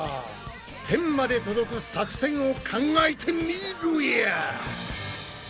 天まで届く作戦を考えてみろや！